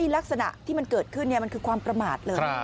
ลักษณะที่มันเกิดขึ้นมันคือความประมาทเลย